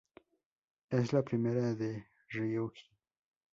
Es la prima de Ryuji.